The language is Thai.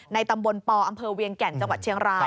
ตำบลปอำเภอเวียงแก่นจังหวัดเชียงราย